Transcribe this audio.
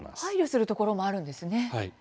配慮するところもあるんですね。